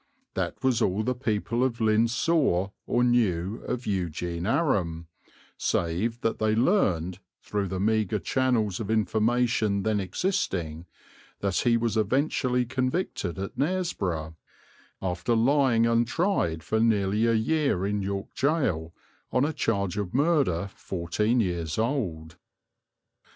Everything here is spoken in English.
That was all the people of Lynn saw or knew of Eugene Aram, save that they learned, through the meagre channels of information then existing, that he was eventually convicted at Knaresborough, after lying untried for nearly a year in York gaol, on a charge of murder fourteen years old.